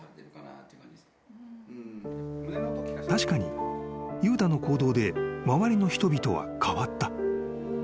［確かに悠太の行動で周りの人々は変わった］